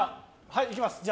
いきます！